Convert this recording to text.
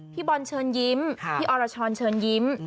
พี่บอลเชิญยิ้มพี่อรชรเชิญยิ้ม